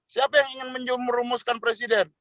siapa yang ingin merumuskan presiden